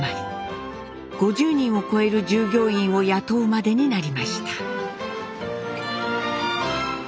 ５０人を超える従業員を雇うまでになりました。